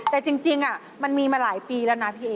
แต่จริงมันมีมาหลายปีแล้วนะพี่เอ๋